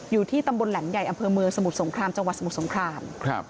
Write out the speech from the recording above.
อยู่ที่ตำบลแหลมใหญ่อำเภอเมืองสมุทรสงครามจังหวัดสมุทรสงคราม